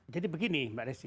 jadi begini mbak resi